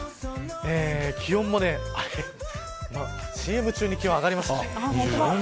気温もＣＭ中に気温上がりましたね。